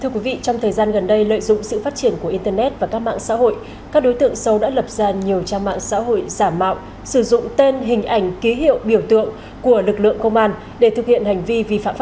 các bạn hãy đăng ký kênh để ủng hộ kênh của chúng mình nhé